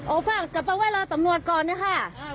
โอ้พ่ากลับมาเวลาตำนวดก่อนนะค่ะ